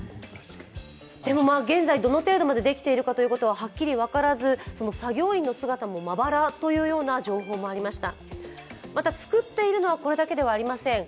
でも現在どの程度までできているかというのは、はっきり分からず作業員の姿もまばらというような情報もありました。